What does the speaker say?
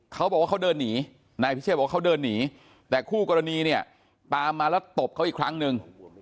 เขาบอกว่าเขาเดินหนีนายพิเชษบอกว่าเขาเดินหนีแต่คู่กรณีเนี่ยตามมาแล้วตบเขาอีกครั้งหนึ่ง